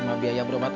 sama biaya berobat